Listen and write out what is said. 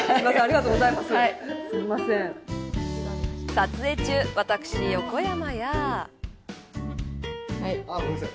撮影中、私、横山や。